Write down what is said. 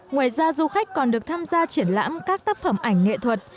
ngoài ra du khách còn được tham gia triển lãm các tác phẩm ảnh nghệ thuật